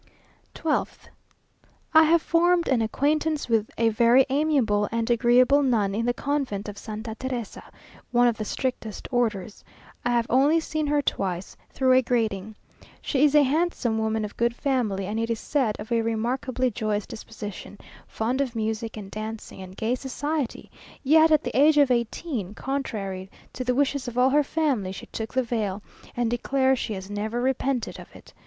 12th. I have formed an acquaintance with a very amiable and agreeable nun in the convent of Santa Teresa, one of the strictest orders. I have only seen her twice, through a grating. She is a handsome woman of good family, and it is said of a remarkably joyous disposition; fond of music and dancing, and gay society, yet at the age of eighteen, contrary to the wishes of all her family, she took the veil, and declares she has never repented of it.